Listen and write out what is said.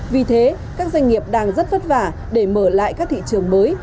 vì thế các doanh nghiệp đang rất vất vả để mở lại các thị trường mới